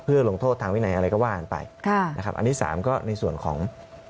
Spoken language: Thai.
เพื่อลงโทษทางวินัยอะไรก็ว่ากันไปค่ะนะครับอันที่สามก็ในส่วนของ